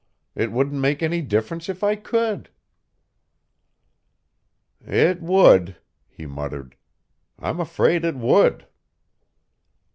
It wouldn't make any difference if I could." "It would," he muttered. "I'm afraid it would."